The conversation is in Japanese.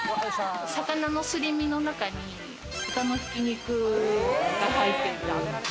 魚のすり身の中に豚の挽き肉が入っています。